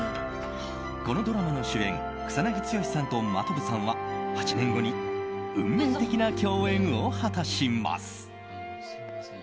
このドラマの主演草なぎ剛さんと真飛さんは８年後に運命的な共演を果たします。